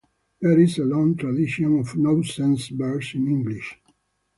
There is a long tradition of nonsense verse in English.